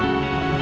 aku mau ke rumah